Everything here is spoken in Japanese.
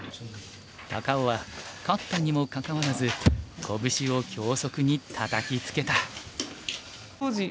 高尾は勝ったにもかかわらずこぶしを脇息にたたきつけた。